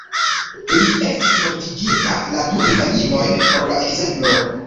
Li estis mortiginta la du infaninojn por la ekzemplo.